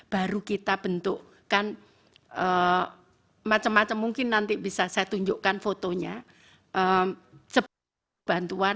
baru kita bentukkan macam macam mungkin nanti bisa saya tunjukkan fotonya sebuah bantuan